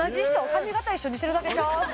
髪形一緒にしてるだけちゃう？